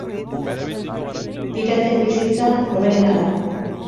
Piraten bizitza hoberena da